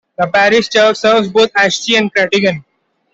The parish church serves both Aeschi and Krattigen.